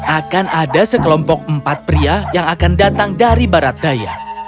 akan ada sekelompok empat pria yang akan datang dari barat daya